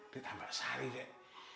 ditambak sari deh